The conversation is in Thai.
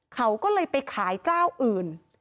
เขาก็เลยไปขายเจ้าอื่น